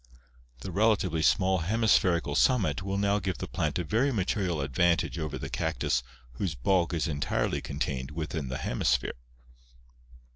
The relatively small hemispheri cal summit will now give the plant a very material advantage over the cactus whose bulk is entirely contained within the hemisphere.